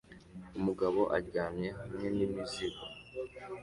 Umugabo aryamye hamwe n'imizigo